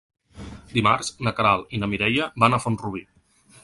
Dimarts na Queralt i na Mireia van a Font-rubí.